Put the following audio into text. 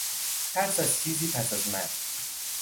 ترس از چیزی پس از مرگ